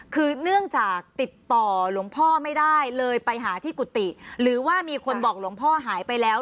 คือเนื่องจากติดต่อหลวงพ่อไม่ได้เลยไปหาที่กุฏิหรือว่ามีคนบอกหลวงพ่อหายไปแล้ว